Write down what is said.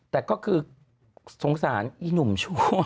แต่ก็คือสงสารอีหนุ่มชั่ว